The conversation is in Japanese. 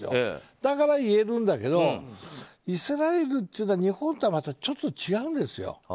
だから言えるんだけどイスラエルというのは、日本とはまたちょっと違うんですよ。